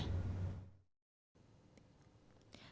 công ty bae systems nêu rõ